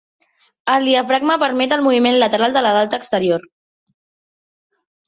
El diafragma permet el moviment lateral de la galta exterior.